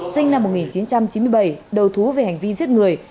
sinh năm một nghìn chín trăm chín mươi bảy đầu thú về hành vi giết người